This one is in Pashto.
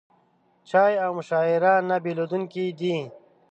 چای او مشاعره نه بېلېدونکي دي.